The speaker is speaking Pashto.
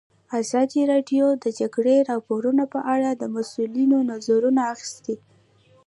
ازادي راډیو د د جګړې راپورونه په اړه د مسؤلینو نظرونه اخیستي.